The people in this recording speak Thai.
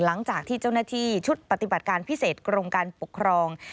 หลังจากที่เจ้าหน้าที่ชุดปฏิบัติการพิเศษกรมการปกครอง